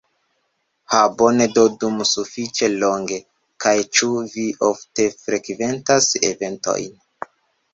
Ha bone do dum sufiĉe longe! kaj ĉu vi ofte frekventas eventojn